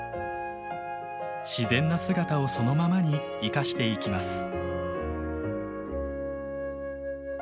自然な姿をそのままに生かしていきます。